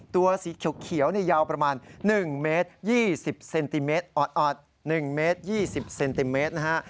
ตัวสีเขียวยาวประมาณ๑เมตร๒๐เซนติเมตรออด๑เมตร๒๐เซนติเมตรนะฮะ